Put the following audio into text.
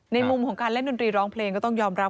มุมของการเล่นดนตรีร้องเพลงก็ต้องยอมรับ